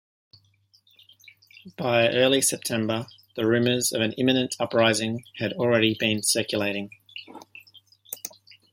By early September, the rumors of an imminent uprising had already been circulating.